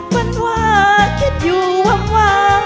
มันว่าคิดอยู่ว่า